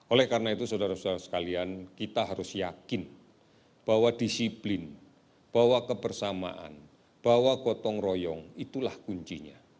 oleh karena itu saudara saudara sekalian kita harus yakin bahwa disiplin bahwa kebersamaan bahwa gotong royong itulah kuncinya